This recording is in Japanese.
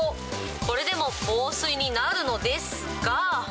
これでも防水になるのですが。